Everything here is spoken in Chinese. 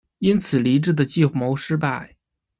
因此黎质的计谋失败。